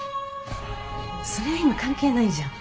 それは今関係ないじゃん。